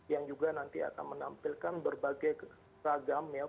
yang juga nanti akan menampilkan berbagai ragam ya